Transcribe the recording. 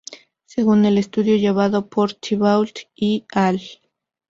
Según el estudio llevado por Thibault "y" al.